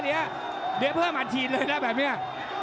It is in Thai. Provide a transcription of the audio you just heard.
เดี๋ยวเพิ่มอันทีเลยนะแบบนี้